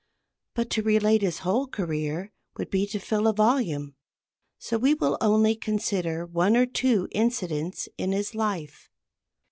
But to relate his whole career would be to fill a volume, so we will only consider one or two incidents in his life.